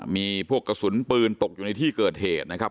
มีพวกกระสุนปืนตกอยู่ในที่เกิดเหตุนะครับ